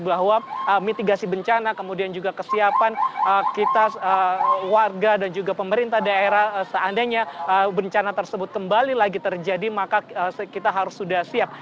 bahwa mitigasi bencana kemudian juga kesiapan kita warga dan juga pemerintah daerah seandainya bencana tersebut kembali lagi terjadi maka kita harus sudah siap